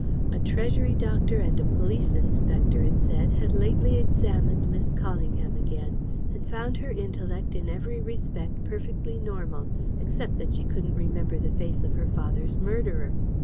A Treasury Doctor and a Police Inspector, it said, had lately examined Miss Callingham again, and found her intellect in every respect perfectly normal, except that she couldn't remember the face of her father's murderer.